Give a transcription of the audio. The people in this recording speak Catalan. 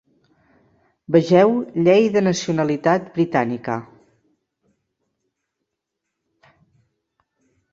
Vegeu "Llei de nacionalitat britànica".